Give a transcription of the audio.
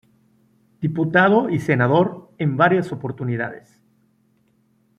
Diputado y senador en varias oportunidades.